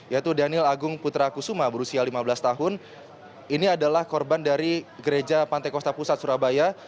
yaitu daniel agung putra kusuma berusia lima belas tahun ini adalah korban dari gereja pantai kosta pusat surabaya